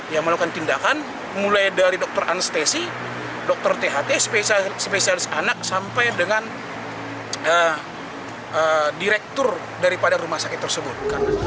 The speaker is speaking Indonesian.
yang melakukan tindakan mulai dari dokter anestesi dokter tht spesialis anak sampai dengan direktur daripada rumah sakit tersebut